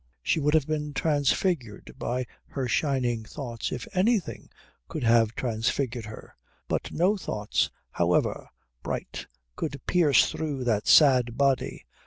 She would have been transfigured by her shining thoughts if any thing could have transfigured her, but no thoughts however bright could pierce through that sad body.